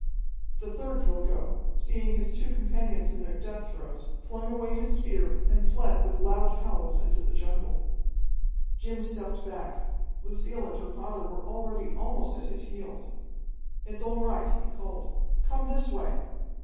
The third Drilgo, seeing his two companions in their death throes, flung away his spear and fled with loud howls into the jungle. Jim stepped back. Lucille and her father were already almost at his heels. "It's all right," he called. "Come this way!"